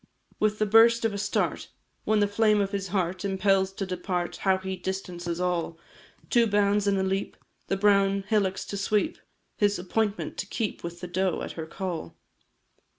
With the burst of a start When the flame of his heart Impels to depart, How he distances all! Two bounds at a leap, The brown hillocks to sweep, His appointment to keep With the doe, at her call.